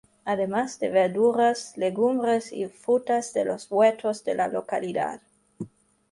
Además de verduras, legumbres y frutas de los huertos de la localidad.